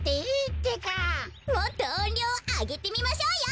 もっとおんりょうをあげてみましょうよ。